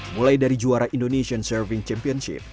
mulai dari juara indonesian surfing championship